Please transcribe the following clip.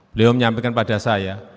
beliau menyampaikan pada saya